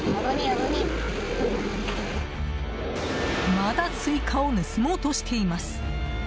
まだスイカを盗もうとしています。